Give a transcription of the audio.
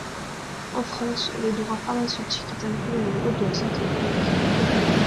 En France, le droit pharmaceutique est inclus dans le code de la santé publique.